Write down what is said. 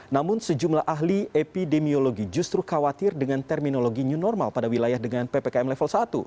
namun sejumlah ahli epidemiologi justru khawatir dengan terminologi new normal pada wilayah dengan ppkm level satu